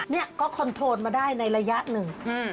นี่ก็คอนโทรมาได้ในระยะหนึ่ง